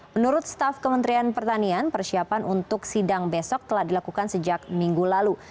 menurut staf kementerian pertanian persiapan untuk sidang besok telah dilakukan sejak minggu lalu